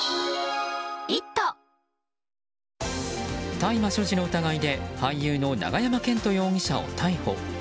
大麻所持の疑いで俳優の永山絢斗容疑者を逮捕。